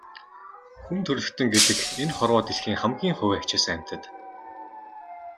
Хүн төрөлхтөн гэдэг энэ хорвоо дэлхийн хамгийн хувиа хичээсэн амьтад.